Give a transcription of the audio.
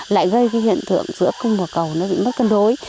lại gây cái hiện tượng giữa cung và cầu nó bị mất cân đối